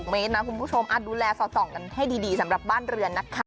เมตรนะคุณผู้ชมดูแลสอดส่องกันให้ดีสำหรับบ้านเรือนนะคะ